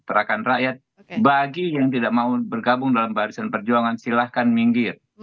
gerakan rakyat bagi yang tidak mau bergabung dalam barisan perjuangan silahkan minggir